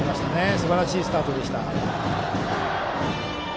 すばらしいスタートでした。